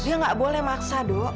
dia nggak boleh maksa dok